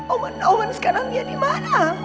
omah sekarang dia dimana